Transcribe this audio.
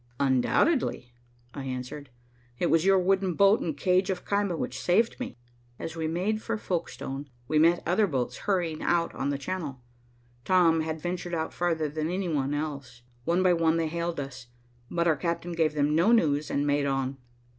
"Undoubtedly," I answered. "It was your wooden boat and cage of caema which saved me." As we made for Folkestone, we met other boats hurrying out on the Channel. Tom had ventured out farther than any one else. One by one, they hailed us, but our captain gave them no news and made on.